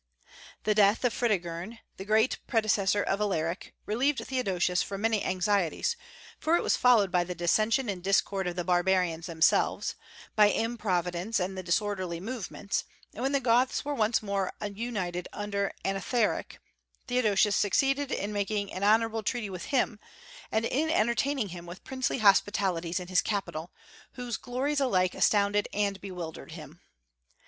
The death of Fritigern, the great predecessor of Alaric, relieved Theodosius from many anxieties; for it was followed by the dissension and discord of the barbarians themselves, by improvidence and disorderly movements; and when the Goths were once more united under Athanaric, Theodosius succeeded in making an honorable treaty with him, and in entertaining him with princely hospitalities in his capital, whose glories alike astonished and bewildered him.